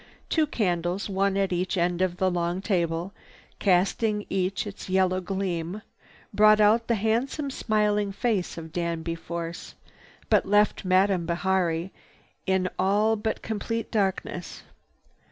Two candles, one at each end of the long table, casting each its yellow gleam, brought out the handsome smiling face of Danby Force, but left Madame Bihari in all but complete darkness.